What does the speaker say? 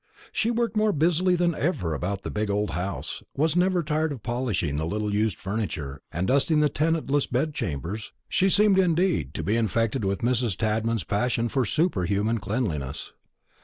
She worked more busily than ever about the big old house, was never tired of polishing the little used furniture and dusting the tenantless bed chambers; she seemed, indeed, to be infected with Mrs. Tadman's passion for superhuman cleanliness.